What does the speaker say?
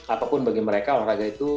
apapun bagi mereka olahraga itu